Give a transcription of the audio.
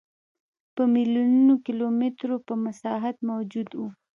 په میلیونونو کیلومترو په مساحت موجود و.